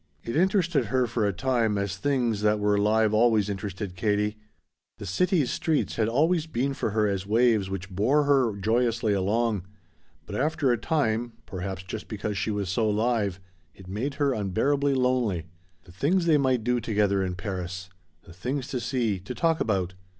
It interested her for a time, as things that were live always interested Katie. The city's streets had always been for her as waves which bore her joyously along. But after a time, perhaps just because she was so live, it made her unbearably lonely. The things they might do together in Paris! The things to see to talk about.